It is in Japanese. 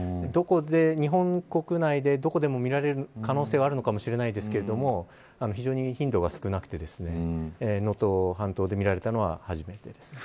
日本国内で、どこでも見られる可能性はあるのかもしれませんが非常に頻度が少なくて能登半島で見られたのは初めてですね。